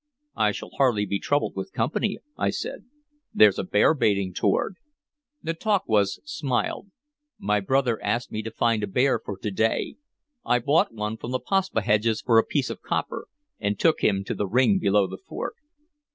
"I shall hardly be troubled with company," I said. "There's a bear baiting toward." Nantauquas smiled. "My brother asked me to find a bear for to day. I bought one from the Paspaheghs for a piece of copper, and took him to the ring below the fort."